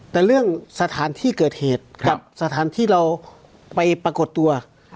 แต่เรื่องสถานที่เกิดเหตุกับสถานที่เราไปปรากฏตัว